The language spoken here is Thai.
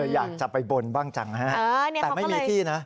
อยากจะไปบนบ้างจังฮะแต่ไม่มีที่นะ